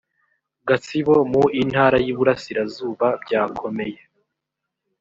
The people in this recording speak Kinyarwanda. gatsibo mu intara y iburasirazuba byakomeye